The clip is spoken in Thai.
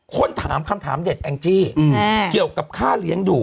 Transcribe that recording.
คนถามคำถามเด็ดแองจี้เกี่ยวกับค่าเลี้ยงดู